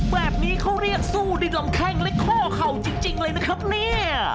แบบนี้เขาเรียกสู้ด้วยลำแข้งและข้อเข่าจริงเลยนะครับเนี่ย